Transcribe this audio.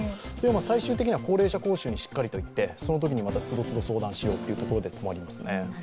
最終的には高齢者講習にしっかり行ってそのときにまた都度都度相談しようというところで止まりますね。